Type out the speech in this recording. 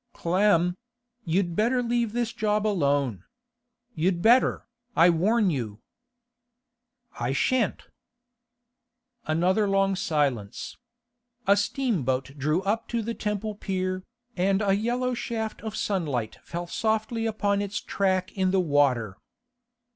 'Clem—you'd better leave this job alone. You'd better, I warn you.' 'I shan't,' Another long silence. A steamboat drew up to the Temple Pier, and a yellow shaft of sunlight fell softly upon its track in the water.